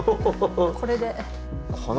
これで。